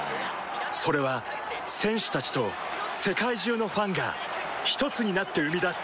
それは選手たちと世界中のファンがひとつになって生み出す